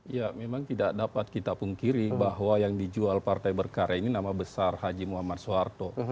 ya memang tidak dapat kita pungkiri bahwa yang dijual partai berkarya ini nama besar haji muhammad soeharto